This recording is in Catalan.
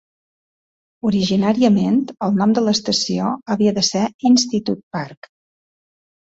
Originàriament, el nom de l'estació havia de ser Institute Park.